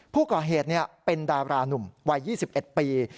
ผู้ก่อเหตุเป็นดารานุ่มวัย๒๑ปี